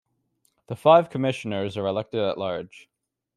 The five commissioners are elected at large.